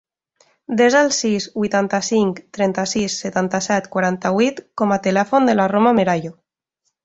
Desa el sis, vuitanta-cinc, trenta-sis, setanta-set, quaranta-vuit com a telèfon de la Roma Merayo.